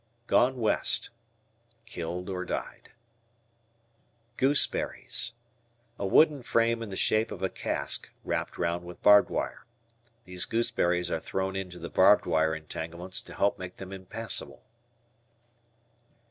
"Gone West." Killed; died. "Gooseberries." A wooden frame in the shape of a cask wrapped round with barbed wire. These gooseberries are thrown into the barbed wire entanglements to help make them impassable.